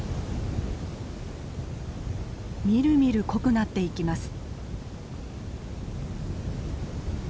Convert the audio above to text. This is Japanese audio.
みるみる濃くなっていきます。